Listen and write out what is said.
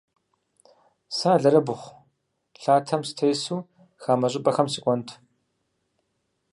Сэ алэрыбгъу лъатэм сытесу хамэ щӏыпӏэхэм сыкӏуэнт.